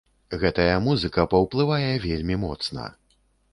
Гэтая музыка паўплывае вельмі моцна.